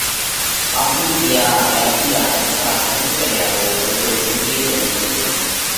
آپڻِي اِيئا حياتِي را ۮکڙا گھٽ ڪريا رو روڳو هيڪئه طريقو سئہ